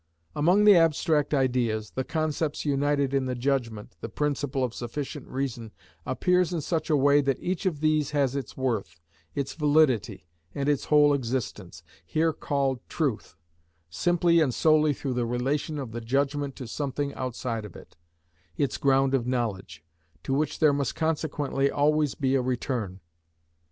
Among the abstract ideas, the concepts united in the judgment, the principle of sufficient reason appears in such a way that each of these has its worth, its validity, and its whole existence, here called truth, simply and solely through the relation of the judgment to something outside of it, its ground of knowledge, to which there must consequently always be a return.